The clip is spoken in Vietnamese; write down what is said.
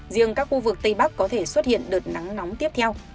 riêng các khu vực tây bắc có thể xuất hiện đợt nắng nóng tiếp theo